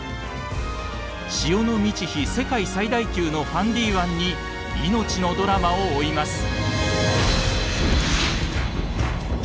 潮の満ち干世界最大級のファンディ湾に命のドラマを追います。